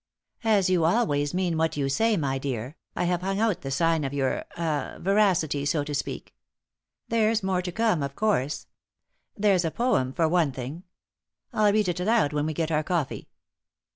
As you always mean what you say, my dear, I have hung out the sign of your ah veracity, so to speak. There's more to come, of course. There's a poem, for one thing. I'll read it aloud when we get our coffee."